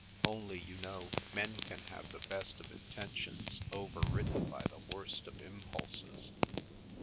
Only, you know, men can have the best of intentions over ridden by the worst of impulses.